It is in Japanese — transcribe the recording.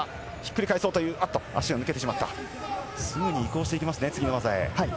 すぐに移行していきますね、次の技に。